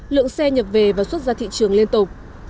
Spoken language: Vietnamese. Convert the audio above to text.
lượng xe nhập về và xuất ra thị trường liên tục